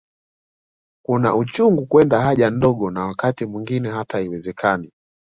Kuna uchungu kwenda haja ndogo na wakati mwingine hata haiwezekani